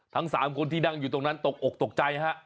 ทั้ง๓คนที่นั่งอยู่ตรงนั้นตกอกตกใจฮะ